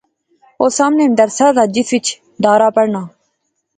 اوہ سامنے مدرسہ زا جس اچ دارا پڑھنا